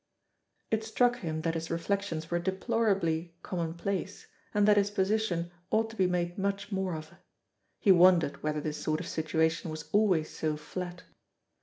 It struck him that his reflections were deplorably commonplace, and that his position ought to be made much more of. He wondered whether this sort of situation was always so flat.